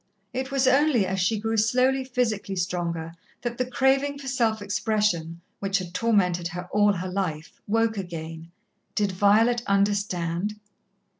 It was only as she grew slowly physically stronger that the craving for self expression, which had tormented her all her life, woke again. Did Violet understand?